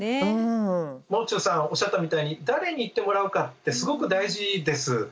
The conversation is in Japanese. もう中さんおっしゃったみたいに誰に言ってもらうかってすごく大事です。